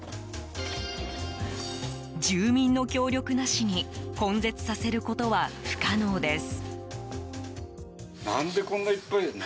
住民の協力なしに根絶させることは不可能です。